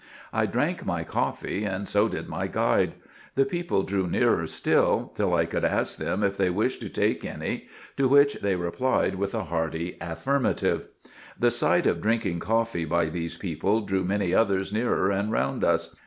I drank my coffee, and so did my guide. The people drew nearer still, till I could ask them if they wished to take any ; to which they replied with a hearty affirmative. The sight of drinking coffee by these people drew many others nearer and round us.